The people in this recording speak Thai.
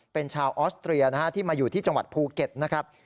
เป็นชาวออสเตรียนะฮะที่มาอยู่ที่จังหวัดภูเก็ตนะครับ